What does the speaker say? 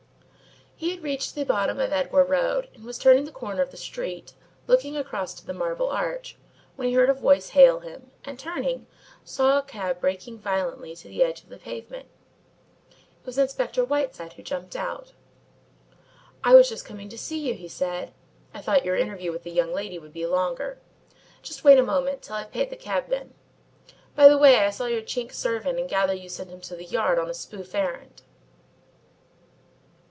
He had reached the bottom of Edgware Road and was turning the corner of the street, looking across to the Marble Arch, when he heard a voice hail him and turning, saw a cab breaking violently to the edge of the pavement. It was Inspector Whiteside who jumped out. "I was just coming to see you," he said. "I thought your interview with the young lady would be longer. Just wait a moment, till I've paid the cabman by the way, I saw your Chink servant and gather you sent him to the Yard on a spoof errand."